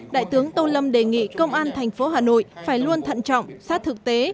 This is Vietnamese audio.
đại tướng tô lâm đề nghị công an thành phố hà nội phải luôn thận trọng sát thực tế